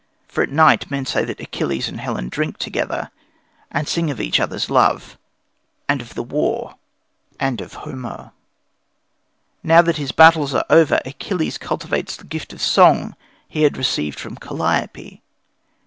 For at night men say that Achilles and Helen drink together, and sing of each other's love, and of the war, and of Homer. Now that his battles are over, Achilles cultivates the gift of song he had received from Calliope.